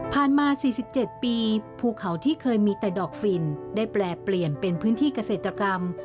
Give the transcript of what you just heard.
มา๔๗ปีภูเขาที่เคยมีแต่ดอกฝิ่นได้แปลเปลี่ยนเป็นพื้นที่เกษตรกรรม